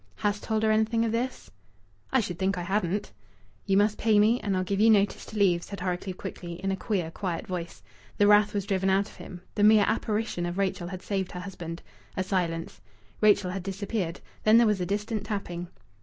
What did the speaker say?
"Hast told her anything of this?" "I should think I hadn't." "Ye must pay me, and I'll give ye notice to leave," said Horrocleave, quickly, in a queer, quiet voice. The wrath was driven out of him. The mere apparition of Rachel had saved her husband. A silence. Rachel had disappeared. Then there was a distant tapping.